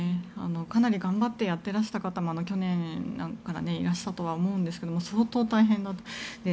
かなり頑張ってやっていらした方も去年いらしたとは思うんですが相当大変だと。